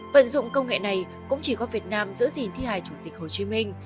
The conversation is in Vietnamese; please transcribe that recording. vận dụng công nghệ này cũng chỉ có việt nam giữ gìn thi hài chủ tịch hồ chí minh